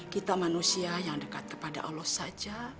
kita manusia yang dekat kepada allah saja